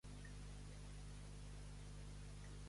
A qui invita Otegi a unir-se?